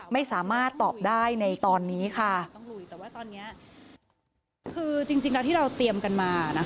ไม่สามารถตอบได้ในตอนนี้ค่ะ